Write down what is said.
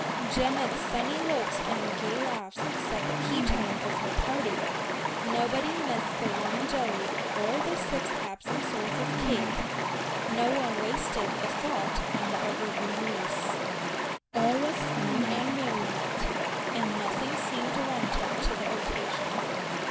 Janet's sunny looks and gay laughs set the key note of her party. Nobody missed the wine jelly or the six absent sorts of cake, no one wasted a thought on the evergreen wreaths. All was fun and merriment, and nothing seemed wanting to the occasion.